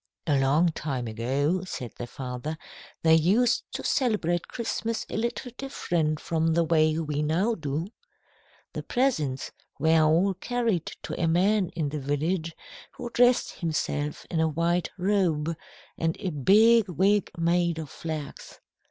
"A long time ago," said their father, "they used to celebrate Christmas a little different from the way we now do. The presents were all carried to a man in the village who dressed himself in a white robe, and a big wig made of flax.